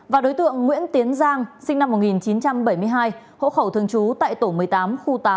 và đối tượng nguyễn tiến giang sinh năm một nghìn chín trăm bảy mươi hai hộ khẩu thường trú tại tổ một mươi tám khu tám